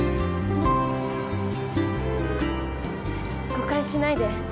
誤解しないで。